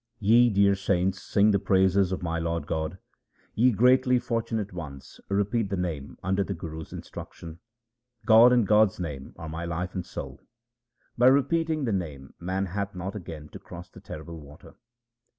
Ye dear saints, sing the praises of my Lord God. Ye greatly fortunate ones, repeat the Name under the Guru's instruction. God and God's name are my life and soul. By repeating the Name man hath not again to cross the terrible water.